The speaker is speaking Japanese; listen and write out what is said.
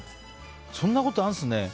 そんなことあるんですね。